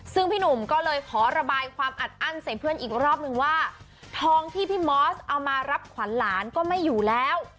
ซึ่งพี่หนุ่มก็เลยขอระบายความอัดอั้นใส่เพื่อนอีกรอบนึงว่าทองที่พี่มอสเอามารับขวัญหลานก็ไม่อยู่แล้ว